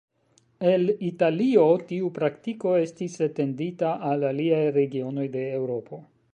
El Italio tiu praktiko estis etendita al aliaj regionoj de Eŭropo.